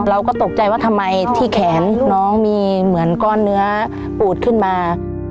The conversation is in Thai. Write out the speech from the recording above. เราก็ตกใจว่าทำไมที่แขนน้องมีเหมือนก้อนเนื้อปูดขึ้นมา